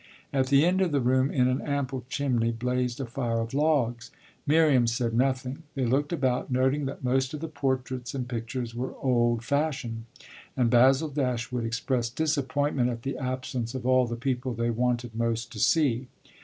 At the end of the room, in an ample chimney, blazed a fire of logs. Miriam said nothing; they looked about, noting that most of the portraits and pictures were "old fashioned," and Basil Dashwood expressed disappointment at the absence of all the people they wanted most to see.